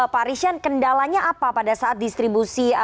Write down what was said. pak rishan kendalanya apa pada saat distribusi